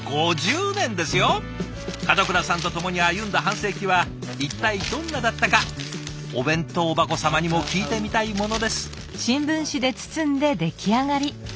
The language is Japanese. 門倉さんと共に歩んだ半世紀は一体どんなだったかお弁当箱様にも聞いてみたいものです。